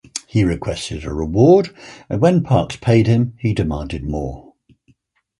He requested a reward and when Parks paid him, he demanded more.